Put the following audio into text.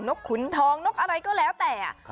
กขุนทองนกอะไรก็แล้วแต่